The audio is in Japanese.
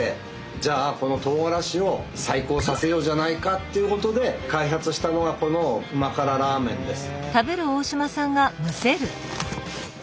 じゃあこのとうがらしを再興させようじゃないかということで開発したのがこの旨辛ラーメンです。